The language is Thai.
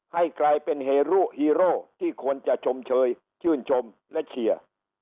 ให้กลายเป็นเฮรุฮีโร่ที่ควรจะชมเชยชื่นชมและเชียร์